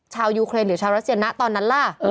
ยูเครนหรือชาวรัสเซียนะตอนนั้นล่ะ